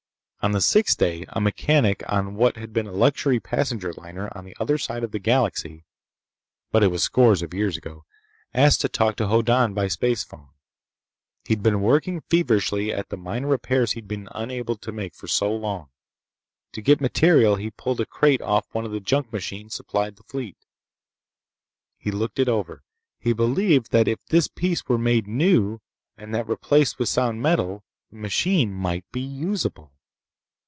On the sixth day a mechanic on what had been a luxury passenger liner on the other side of the galaxy—but it was scores of years ago—asked to talk to Hoddan by spacephone. He'd been working feverishly at the minor repairs he'd been unable to make for so long. To get material he pulled a crate off one of the junk machines supplied the fleet. He looked it over. He believed that if this piece were made new, and that replaced with sound metal, the machine might be usable!